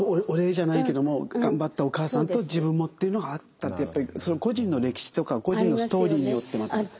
お礼じゃないけども頑張ったお母さんと自分もっていうのがあったってやっぱり個人の歴史とか個人のストーリーによってまた。